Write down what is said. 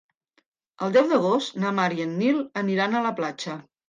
El deu d'agost na Mar i en Nil aniran a la platja.